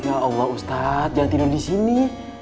ya allah ustadz jangan tidur disini